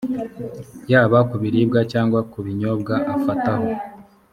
yaba ku biribwa cyangwa ku binyobwa afataho